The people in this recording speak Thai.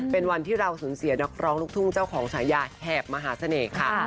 เป็นวันที่เราสูญเสียนักร้องลูกทุ่งเจ้าของฉายาแหบมหาเสน่ห์ค่ะ